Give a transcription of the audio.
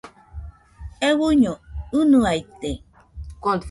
Euiño ɨnɨaite.